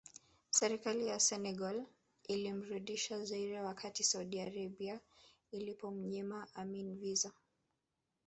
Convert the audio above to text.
Serikali ya Senegal ilimrudisha Zaire wakati Saudi Arabia ilipomnyima Amin visa